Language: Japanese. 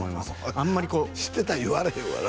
あんまり知ってたら言われへんわな